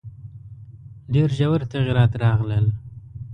ډېر ژور تغییرات راغلل.